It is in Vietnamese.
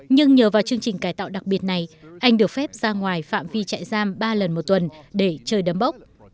nhưng nhờ vào chương trình cải tạo đặc biệt này anh được phép ra ngoài phạm vi trại giam ba lần một tuần để chơi đấm bốc